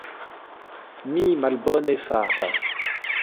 Mi malbone fartas.